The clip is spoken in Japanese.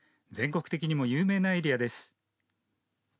全国的にも有名なエリアです。